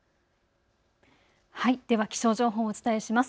では気象情報をお伝えします。